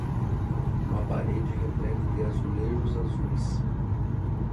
Uma parede repleta de azulejos azuis